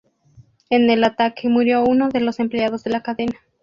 En el ataque murió uno de los empleados de la cadena.